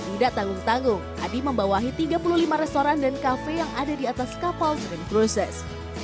tidak tanggung tanggung hadi membawahi tiga puluh lima restoran dan kafe yang ada di atas kapal stream cruises